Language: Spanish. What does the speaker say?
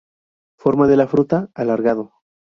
Forma de la fruta: alargado.